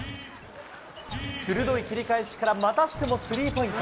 鋭い切り返しからまたしてもスリーポイント。